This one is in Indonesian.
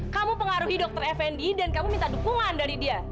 kamu pengaruhi dokter effendi dan kamu minta dukungan dari dia